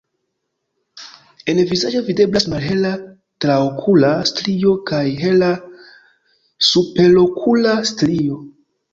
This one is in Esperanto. En vizaĝo videblas malhela traokula strio kaj hela superokula strio.